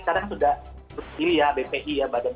sekarang sudah bpi ya badan pembangunan indonesia dan sebagainya